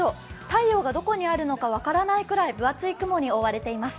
太陽がどこにあるのか分からないくらい分厚い雲に覆われています。